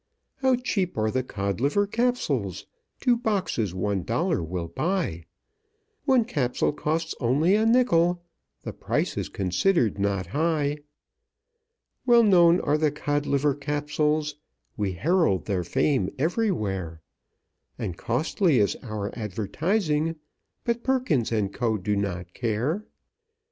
"How cheap are the Codliver Capsules; Two boxes one dollar will buy! One Capsule costs only a nickel The price is considered not high. "Well known are the Codliver Capsules, We herald their fame everywhere; And costly is our advertising, But Perkins & Co. do not care.